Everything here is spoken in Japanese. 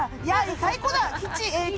最高だ、吉。